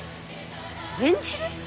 演じる！？